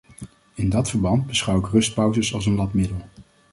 In dat verband beschouw ik rustpauzes als een lapmiddel.